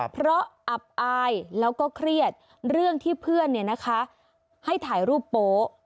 เพราะอับอายแล้วก็เครียดเรื่องที่เพื่อนให้ถ่ายรูปโป๊ะ